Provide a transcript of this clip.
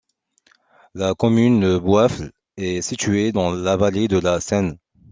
La commune de Bouafle est située dans la vallée de la Seine.